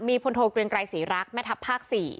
มีพลโทเกรงไกรศรีรักษ์แม่ทัพภาค๔